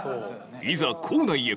いざ校内へ。